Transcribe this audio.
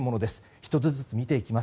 １つずつ見ていきます。